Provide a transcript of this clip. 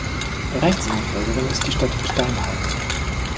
Rechtsnachfolgerin ist die Stadt Steinheim.